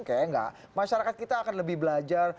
kayaknya nggak masyarakat kita akan lebih belajar